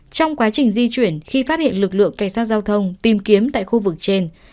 trong quá trình di chuyển khi phát hiện lực lượng cảnh sát giao thông tìm kiếm tại khu vực trên